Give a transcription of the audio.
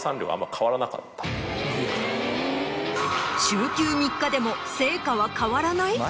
週休３日でも成果は変わらない？